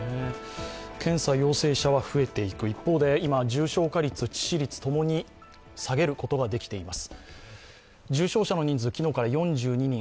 検査陽性者は増えていく一方で今、重症化率、致死率共に下げることができています。